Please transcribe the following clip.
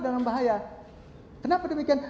dalam bahaya kenapa demikian